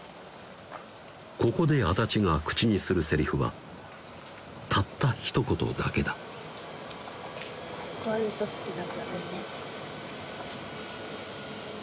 ここで安達が口にするセリフはたったひと言だけだ「すっごいうそつきだったんだね」